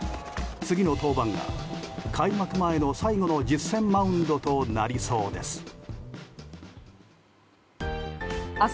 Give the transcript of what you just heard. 次の登板が開幕前の最後の実戦マウンドとなりそうです。